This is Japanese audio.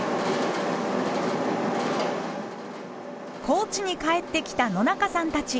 高知に帰ってきた野中さんたち。